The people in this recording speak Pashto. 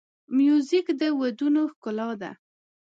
موزیک د ودونو ښکلا ده.